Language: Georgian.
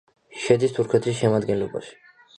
შედის თურქეთის შემადგენლობაში.